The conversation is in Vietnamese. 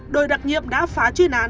đội đặc nhiệm đã phá chuyên án